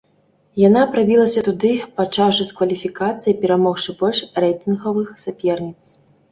Яна прабілася туды, пачаўшы з кваліфікацыі і перамогшы больш рэйтынгавых саперніц.